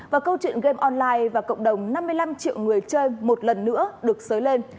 và câu chuyện game online và cộng đồng năm mươi năm triệu người chơi một lần nữa được xới lên